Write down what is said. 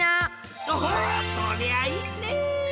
おおそりゃあいいね！